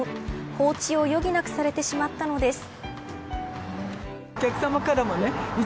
放置を余儀なくされてしまったのです。